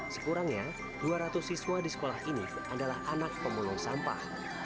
sekurangnya dua ratus siswa di sekolah ini adalah anak pemulung sampah